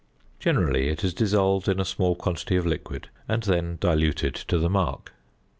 Generally it is dissolved in a small quantity of liquid, and then diluted to the mark.